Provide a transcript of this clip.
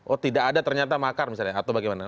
oh tidak ada ternyata makar misalnya atau bagaimana